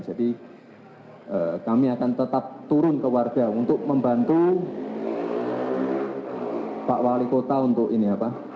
jadi kami akan tetap turun ke warga untuk membantu pak wali kota untuk ini apa